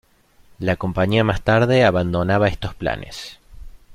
La compañía más tarde abandonaba estos planes.